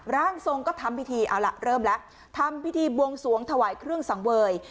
ร่างทรงก็ทำพิธีเอาล่ะเริ่มแล้วทำพิธีบวงสวงถวายเครื่องสังเวย